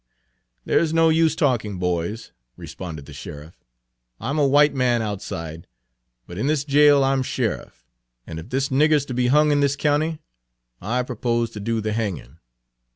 "There 's no use talking, boys," responded the sheriff. "I'm a white man outside, but in this jail I'm sheriff; and if this nigger 's to be hung in this county, I propose to do the hanging.